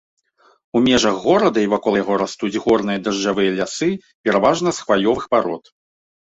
У межах горада і вакол яго растуць горныя дажджавыя лясы, пераважна з хваёвых парод.